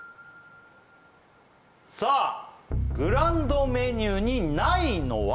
さあグランドメニューにないのは？